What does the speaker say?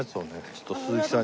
ちょっと鈴木さんに。